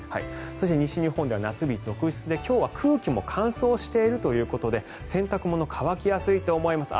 そして、西日本では夏日続出で今日は空気も乾燥しているということで洗濯物、乾きやすいと思います。